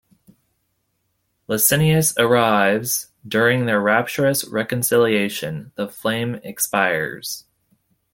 Licinius arrives; during their rapturous reconciliation, the flame expires.